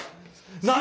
何？